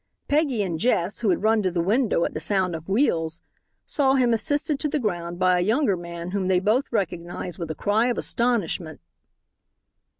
Peggy and Jess who had run to the window at the sound of wheels saw him assisted to the ground by a younger man whom they both recognized with a cry of astonishment.